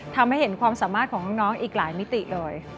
ทำให้เห็นความสามารถของน้องอีกหลายมิติเลย